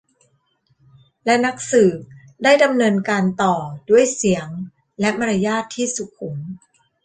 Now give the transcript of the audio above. และนักสืบได้ดำเนินการต่อด้วยเสียงและมารยาทที่สุขุม